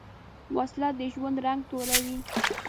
وسله د ژوند رنګ توروې